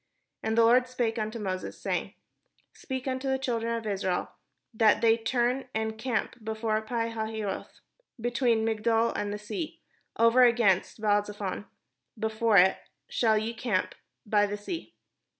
And the Lord spake unto Moses, saying: "Speak unto the children of Israel, that they turn and encamp before Pi hahiroth, between Migdol and the sea, over against Baal zephon; before it shall ye encamp by the sea.